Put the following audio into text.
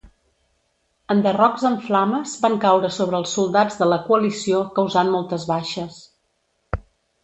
Enderrocs en flames van caure sobre els soldats de la coalició causant moltes baixes.